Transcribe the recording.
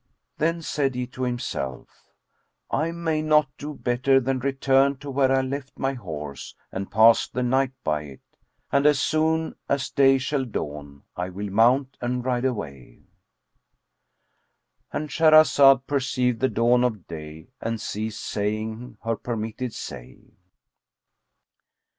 Then said he to himself, "I may not do better than return to where I left my horse and pass the night by it; and as soon as day shall dawn I will mount and ride away."— And Shahrazad perceived the dawn of day and ceased saying her permitted say.